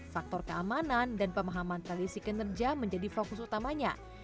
faktor keamanan dan pemahaman tradisi kinerja menjadi fokus utamanya